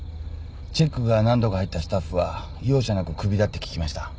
チェックが何度か入ったスタッフは容赦なく首だって聞きました。